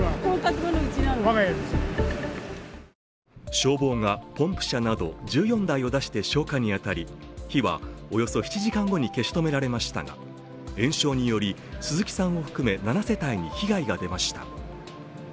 消防がポンプ車など１４台を出して消火に当たり火はおよそ７時間後に消し止められましたが、延焼により鈴木さんを含め７世帯に被害が出ました。